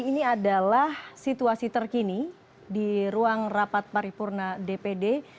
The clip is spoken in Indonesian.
jadi ini adalah situasi terkini di ruang rapat paripurna dpd